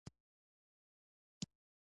اوړي د افغانانو د فرهنګي پیژندنې برخه ده.